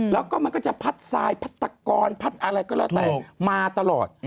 แล้วก็มันก็จะพัดทรายพัตกรพัดอะไรก็แล้วแต่มาตลอด